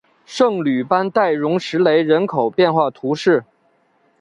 圣吕班代容什雷人口变化图示